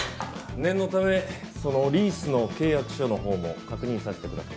念のためそのリースの契約書のほうも確認させてください。